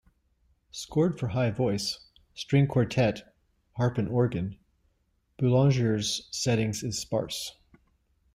Scored for high voice, string quartet, harp and organ, Boulanger's setting is sparse.